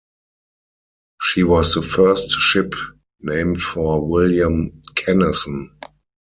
She was the first ship named for William Kennison.